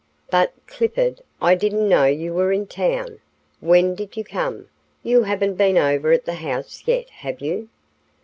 But, Clifford, I didn't know you were in town. When did you come? You haven't been over at the house yet, have you?"